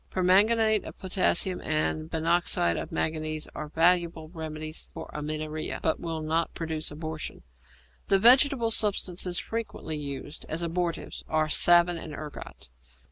Permanganate of potassium and binoxide of manganese are valuable remedies for amenorrhoea, but will not produce abortion. The vegetable substances frequently used as abortives are savin and ergot.